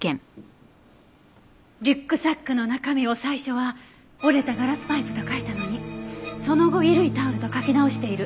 リュックサックの中身を最初は折れたガラスパイプと書いたのにその後衣類タオルと書き直している。